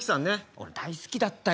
俺大好きだったよ。